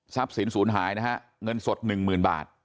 ทรัพย์สินศูนย์หายนะฮะเงินสด๑หมื่นบาท